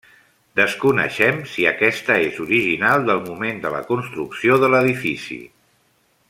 Desconeixem si aquesta és original del moment de la construcció de l'edifici.